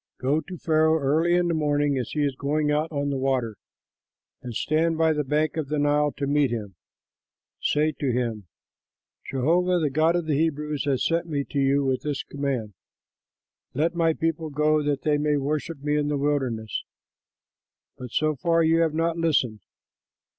Go to Pharaoh early in the morning, as he is going out on the water, and stand by the bank of the Nile to meet him. Say to him, 'Jehovah, the God of the Hebrews, has sent me to you with this command: Let my people go that they may worship me in the wilderness, but so far you have not listened.